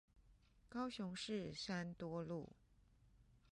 高雄市三多路